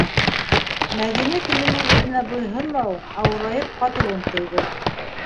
- Мәҙинә теленең үҙенә буйһонмауын, ауырайып ҡатыуын тойҙо.